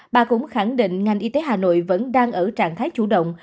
bà cũng khẳng định ngành y tế hà nội vẫn đang ở trạng thái chủ động